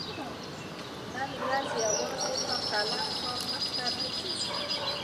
نن ورځ يوازي په قلم کار مخته نه ځي.